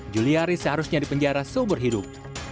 juliari seharusnya dipenjara seumur hidup